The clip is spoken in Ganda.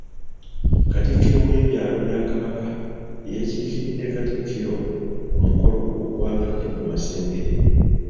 Katikkiro w’ebyalo bya Kabaka y'eyakiikiridde Katikkiro ku mukolo ogwabadde mu Masengere.